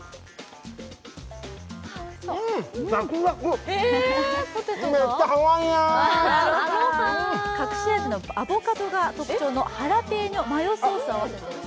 ざくざく、めっちゃハワイアン！隠し味のアボカドが特徴のハラペーニョマヨソースを合わせています。